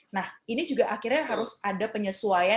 nah ini juga akhirnya harus ada penyesuaian